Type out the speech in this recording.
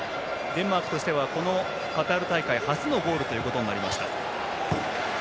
デンマークとしてはこのカタール大会初のゴールとなりました。